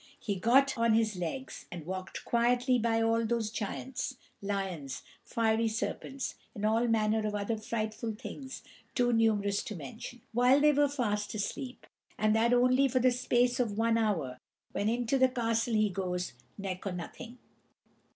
He got on his legs, and walked quietly by all those giants, lions, fiery serpents, and all manner of other frightful things too numerous to mention, while they were fast asleep, and that only for the space of one hour, when into the castle he goes neck or nothing.